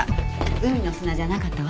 海の砂じゃなかったわ。